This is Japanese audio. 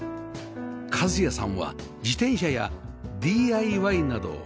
和也さんは自転車や ＤＩＹ など趣味が多彩